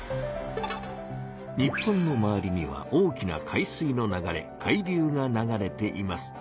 日本の周りには大きな海水の流れ「海流」が流れています。